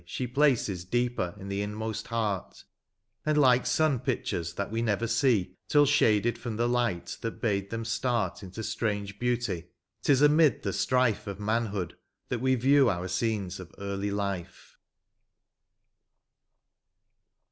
She places deeper in the inmost heart; And like sun pictures, that we never see Till shaded from the light that hade them start Into strange heauty, 't is amid the strife Of manhood, that we view our scenes of early hfe.